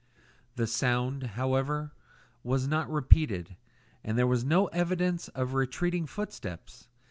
The sound, however, was not repeated; and there was no evidence of retreating footsteps.